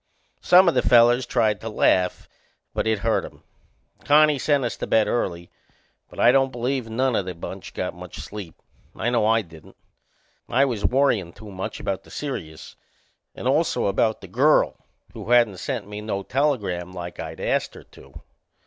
Some o' the fellers tried to laugh, but it hurt 'em. Connie sent us to bed early, but I don't believe none o' the bunch got much sleep I know I didn't; I was worryin' too much about the serious and also about the girl, who hadn't sent me no telegram like I'd ast her to.